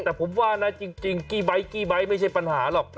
แต่ผมจริงกี้ไบ๊กี้ไบ๊ไม่ใช่ปัญหาหรอก